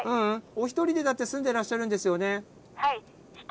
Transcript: お一人でだって住んでらっしゃるんですよね？